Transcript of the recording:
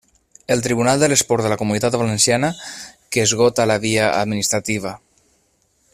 El Tribunal de l'Esport de la Comunitat Valenciana, que esgota la via administrativa.